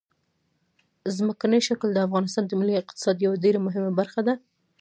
ځمکنی شکل د افغانستان د ملي اقتصاد یوه ډېره مهمه برخه ده.